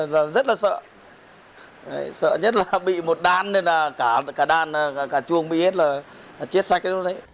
rất là sợ sợ nhất là bị một đàn nên là cả đàn cả chuông bị hết là chết sạch